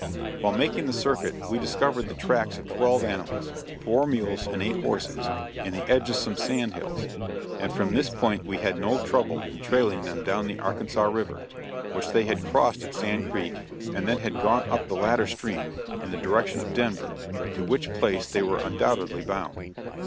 While making the circuit we discovered the tracks of twelve animals four mules and eight horses in the edge of some sand hills, and from this point we had no trouble in trailing them down the Arkansas river, which they had crossed at Sand Creek, and then had gone up the latter stream, in the direction of Denver, to which place they were undoubtedly bound.